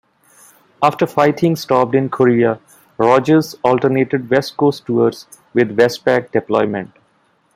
After fighting stopped in Korea, "Rogers" alternated west coast tours with WestPac deployment.